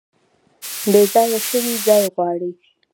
بیځایه شوي ځای غواړي